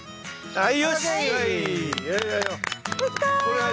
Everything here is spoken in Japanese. はい。